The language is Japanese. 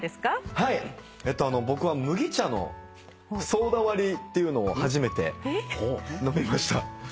僕は麦茶のソーダ割りっていうのを初めて飲みました。